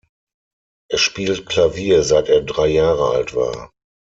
Er spielt Klavier seit er drei Jahre alt war.